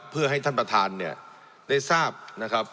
เพื่อให้ท่านประธานเนี่ยได้ทราบนะครับ